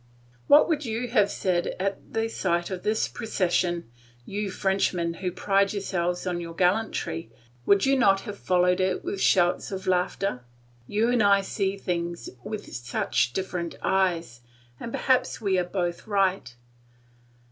What would you have said at the sight of this procession, you Frenchmen who pride yourselves on your gallantry, would you not have followed it with shouts of laughter? You and I see things with such different eyes, and perhaps we are both right.